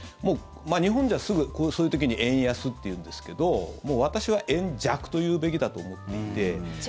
日本ではすぐ、そういう時に円安と言うんですけどもう私は円弱と言うべきだと思っていて。